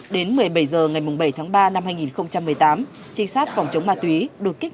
đến một mươi bảy h ngày bảy tháng ba năm hai nghìn một mươi tám trinh sát phòng chống ma túy đột kích